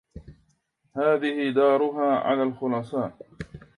هذه دارها على الخلصاء